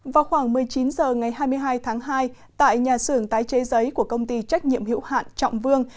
vào khoảng một mươi chín h ngày hai mươi hai tháng hai tại nhà xưởng tái chế giấy của công ty trách nhiệm hiệu hạn trọng vương